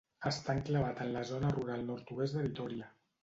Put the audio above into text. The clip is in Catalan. Està enclavat en la Zona Rural Nord-oest de Vitòria.